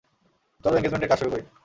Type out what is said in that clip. চলো এনগেজমেন্টের কাজ শুরু করি।